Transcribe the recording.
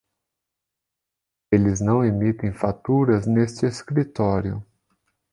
Eles não emitem faturas neste escritório.